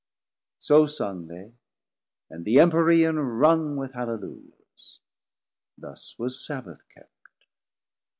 So sung they, and the Empyrean rung, With Halleluiahs: Thus was Sabbath kept.